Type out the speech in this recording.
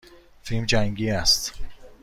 فیلم جنگی است.